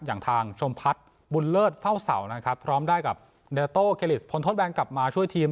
อย่างทางชมพัดบุญเลิศเฝ้าเสานะครับพร้อมได้กับพลทศแวนกลับมาช่วยทีม